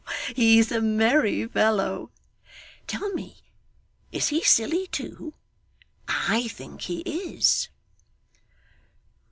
he's a merry fellow. Tell me is he silly too? I think he is.